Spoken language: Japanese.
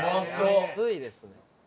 安いですね。